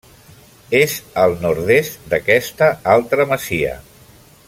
És al nord-est d'aquesta altra masia.